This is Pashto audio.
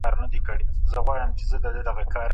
ولي ځيني هیوادونه دفاع وزارت نه مني؟